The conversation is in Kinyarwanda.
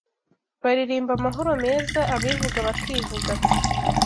baririmba amahoro meza, abivuga bakivuga